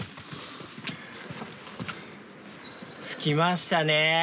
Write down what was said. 着きましたね。